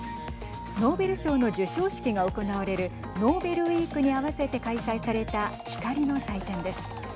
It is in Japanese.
ノーベル賞の授賞式が行われるノーベルウィークに合わせて開催された光の祭典です。